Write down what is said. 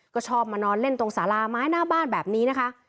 ก็ชอบมานอนเล่นตรงสาราไม้หน้าบ้านแบบนี้นะคะ